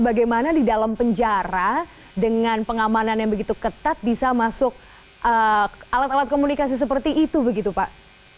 bagaimana di dalam penjara dengan pengamanan yang begitu ketat bisa masuk alat alat komunikasi seperti itu begitu pak